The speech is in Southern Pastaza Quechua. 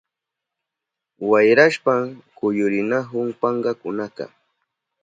Wayrashpan kuyurinahun pankakunaka.